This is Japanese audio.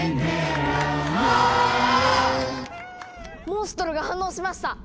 モンストロが反応しました！